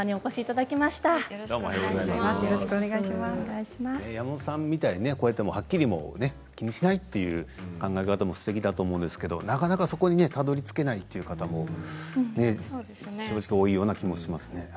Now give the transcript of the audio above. やまもとさんみたいにはっきりと気にしないという考え方もすてきだと思いますがなかなかそこにたどりつけないという方も多いような気もしますね。